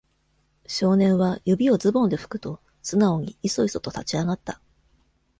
少年は、指をズボンでふくと、素直に、いそいそと立ち上がった。